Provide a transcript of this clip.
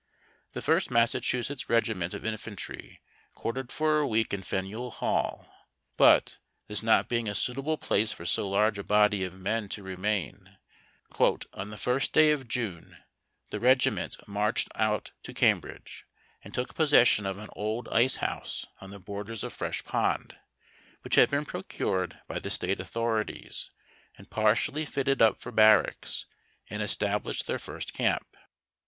The First Massachusetts Eegiment of Infantry quartered for a week in i* aneuil Hall ; but, this not being a suitable place for so large a body of men to remain, "on the first day of June the regiment marched out to Cambridge, and took possession of an old ice house on the borders of Fresh Pond, wliich had been procured by the State authorities and partially fitted up for barracks, and '':T^'. ^i3 KEADVILLE (MASS.) IJAKKACKS. From n PliotograpJi. established their first camp."